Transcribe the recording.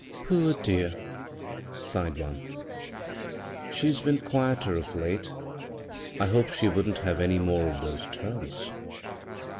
" Poor dear I " sighed one. " She's been quieter of late. I hoped she wouldn't have any more <rf those turns."